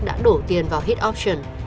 đã đổ tiền vào hit option